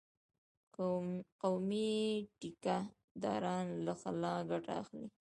قومي ټيکه داران له خلا ګټه اخلي.